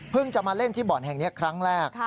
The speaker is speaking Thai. เพิ่งจะมาเล่นที่บอรุษฐ์แห่งนี้ครั้งแรก